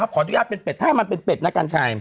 ขออนุญาตเป็นเป็ดให้มันเป็นเป็ดนะกัญชัย